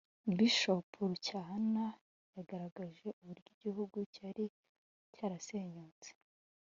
Bishop Rucyahana yagaragaje uburyo igihugu cyari cyarasenyutse